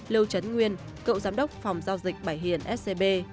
lưu trấn nguyên cậu giám đốc phòng giao dịch bảy hiền scb